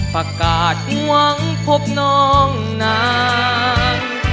ประกาศหวังพบน้องนาง